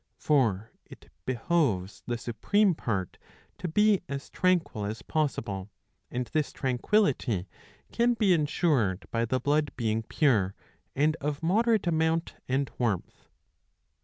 For it behoves the supreme part to be as tranquil as possible, and this tranquillity can be ensured by the blood being pure, and of moderate amount and warmth.